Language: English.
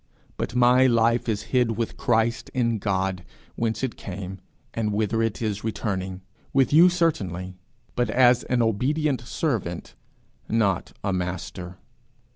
but my life is hid with Christ in God, whence it came, and whither it is returning with you certainly, but as an obedient servant, not a master.